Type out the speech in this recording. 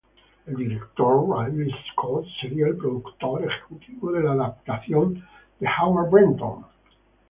El director Ridley Scott sería el productor ejecutivo de la adaptación de Howard Brenton.